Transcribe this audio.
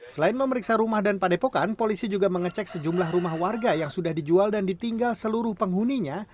selain memeriksa rumah dan padepokan polisi juga mengecek sejumlah rumah warga yang sudah dijual dan ditinggal seluruh penghuninya